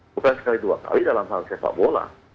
bukan sekali dua kali dalam hal sepak bola